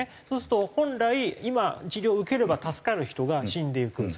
そうすると本来今治療を受ければ助かる人が死んでいく。